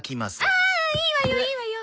ああいいわよいいわよ。